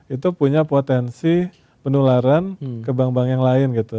itu punya potensi penularan ke bank bank yang lain gitu